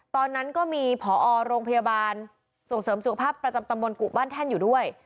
ตอนนั้นก็มีผอโรงพยาบาลส่งเสริมสุขภาพประจำตำบลกุบ้านแท่นอยู่ด้วย